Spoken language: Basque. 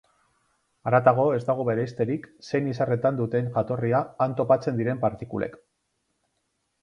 Haratago ez dago bereizterik zein izarretan duten jatorria han topatzen diren partikulek.